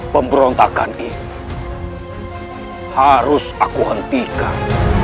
pemberontakan itu harus aku hentikan